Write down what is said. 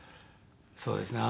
そうですね。